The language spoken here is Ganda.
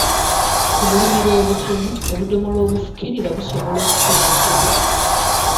Ku bulimiro obutono, obudomola obufukirira busobola okukozesebwa.